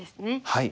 はい。